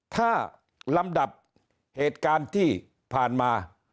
ถ้าลำดับเหตุการณ์ที่ผ่านมา